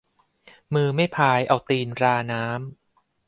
มือไม่พาย เอาตีนราน้ำ